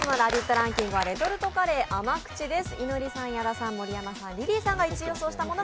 ランキングはレトルトカレー甘口です。